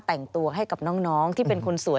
แต่งตัวให้กับน้องที่เป็นคนสวย